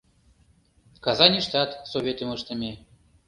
Казаньыштат Советым ыштыме.